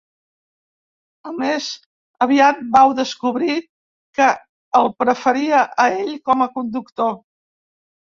A més, aviat vau descobrir que el preferia a ell com a conductor.